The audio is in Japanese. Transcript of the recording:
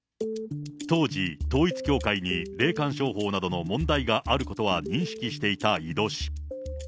当時、統一教会に霊感商法などの問題があることは認識していた井戸氏。